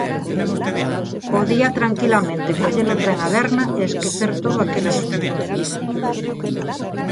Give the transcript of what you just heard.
Podía tranquilamente coller o tren a Berna e esquecer todo aquel asunto.